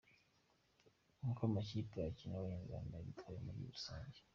Uko amakipe akinamo Abanyarwanda yitwaye muri rusange:.